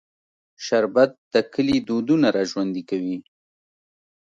شربت د کلي دودونه راژوندي کوي